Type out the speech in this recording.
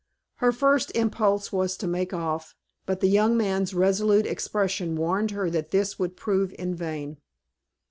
"Her first impulse was to make off, but the young man's resolute expression warned her that this would prove in vain.